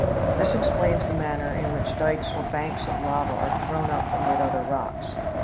This explains the manner in which dykes or banks of lava are thrown up amid other rocks.